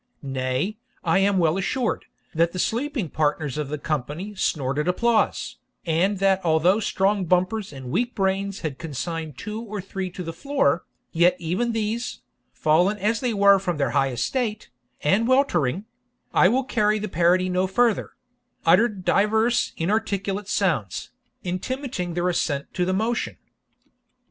Nay, I am well assured, that the sleeping partners of the company snorted applause, and that although strong bumpers and weak brains had consigned two or three to the floor, yet even these, fallen as they were from their high estate, and weltering I will carry the parody no farther uttered divers inarticulate sounds, intimating their assent to the motion.